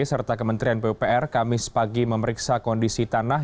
serta kementerian pupr kami sepagi memeriksa kondisi tanah